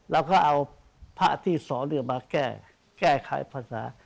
เราก็เอาพระที่สองมาแก้ไขภาษา